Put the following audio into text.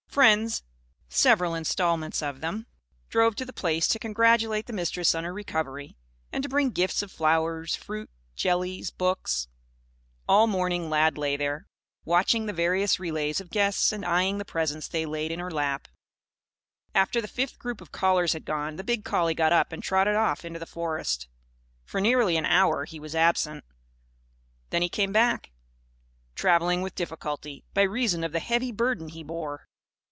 Friends several instalments of them drove to the Place to congratulate the Mistress on her recovery; and to bring gifts of flowers, fruit, jellies, books. All morning, Lad lay there, watching the various relays of guests and eyeing the presents they laid in her lap. After the fifth group of callers had gone, the big collie got up and trotted off into the forest. For nearly an hour he was absent. Then he came back; travelling with difficulty, by reason of the heavy burden he bore.